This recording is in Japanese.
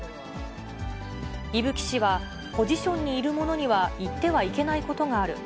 伊吹氏は、ポジションにいる者には言ってはいけないことがある。